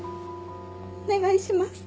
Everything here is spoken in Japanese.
お願いします。